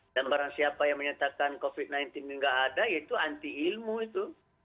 dan barang siapa yang menyatakan covid sembilan belas ini nggak ada itu anti ilmu itu